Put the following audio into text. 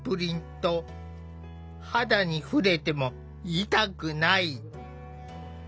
肌に触れても痛くない！